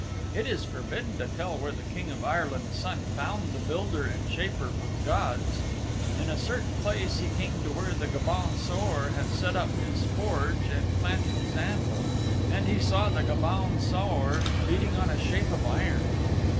It is forbidden to tell where the King of Ireland's Son found the Builder and Shaper for the Gods. In a certain place he came to where the Gobaun Saor had set up his forge and planted his anvil, and he saw the Gobaun Saor beating on a shape of iron.